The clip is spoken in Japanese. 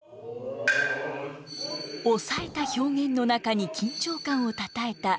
抑えた表現の中に緊張感をたたえた「能」。